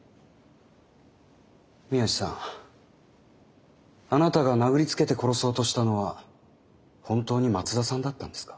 宮地さんあなたが殴りつけて殺そうとしたのは本当に松田さんだったんですか？